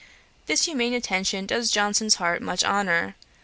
This humane attention does Johnson's heart much honour.